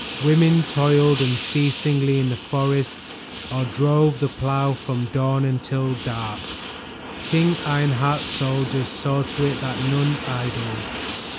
Women toiled unceasingly in the forest or drove the plow from dawn until dark; King Ironheart's soldiers saw to it that none idled.